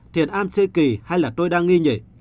thiền am chê kỳ hay là tôi đang nghi nhỉ